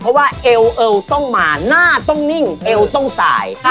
เพราะว่าเอวเอวต้องมาหน้าต้องนิ่งเอวต้องสาย